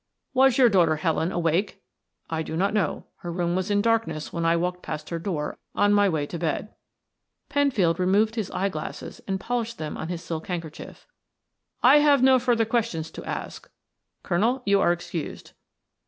"Was your daughter Helen awake?" "I do not know. Her room was in darkness when I walked past her door on my way to bed." Penfield removed his eye glasses and polished them on his silk handkerchief. "I have no further questions to ask. Colonel, you are excused."